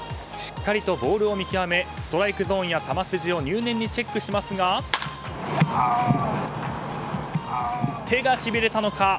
しっかりとボールを見極めストライクゾーンや球筋を入念にチェックしますが手がしびれたのか